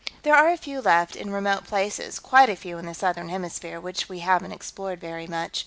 There are a few left, in remote places quite a few in the Southern Hemisphere, which we haven't explored very much.